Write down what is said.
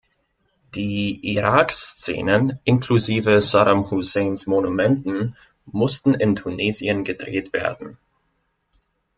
Die Irak-Szenen, inklusive Saddam Husseins Monumenten, mussten in Tunesien gedreht werden.